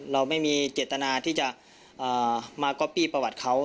เราไม่มีเจตนาที่จะมาก๊อปปี้ประวัติเขา